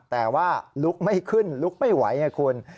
แต่ว่าลุกไม่ขึ้นลุกไม่ไหวไงคุณ